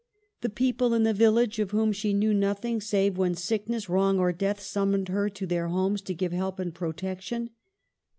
The people in the village of whom she knew nothing save when sickness, wrong, or death summoned her to their homes to give help and protection